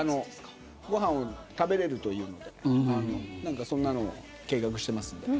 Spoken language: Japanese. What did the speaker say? ご飯、食べれるというんでそんなことも計画してます。